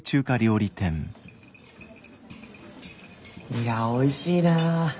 いやおいしいなあ。